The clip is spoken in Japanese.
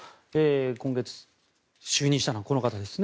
今月、就任したのがこの方ですね。